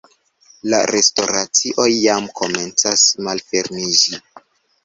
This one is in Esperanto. la restoracioj jam komencas malfermiĝi